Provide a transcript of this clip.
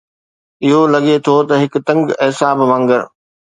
اهو لڳي ٿو ته هڪ تنگ اعصاب وانگر.